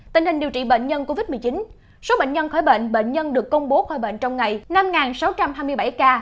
tình hình điều trị bệnh nhân covid một mươi chín số bệnh nhân khỏi bệnh bệnh nhân được công bố khỏi bệnh trong ngày năm sáu trăm hai mươi bảy ca